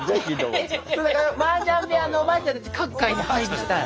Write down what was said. マージャン部屋のおばあちゃんたち各階に配備したい。